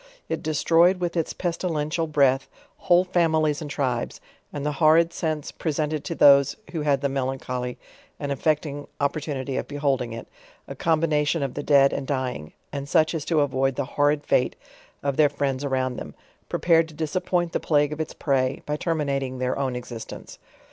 It destroyed, with' its pestilentia; breath, whole families and tribes; and the horrid scence pre sentented to those who had the melancholy and effecting ^opportunity of beholding it, a combination of the dead and dying , and such as to avoid the horrid fate of their friends around them, prepared to disappoint the plague of its prey, by terminating their own existence.